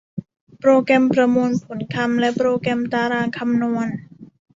โปรแกรมประมวลผลคำและโปรแกรมตารางคำนวณ